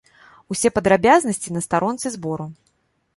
Усе падрабязнасці на старонцы збору.